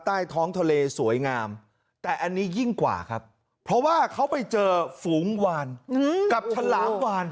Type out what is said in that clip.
ใต้ท้องทะเลสวยงามแต่อันนี้ยิ่งกว่าครับเพราะว่าเขาไปเจอฝูงวานกับฉลามวาน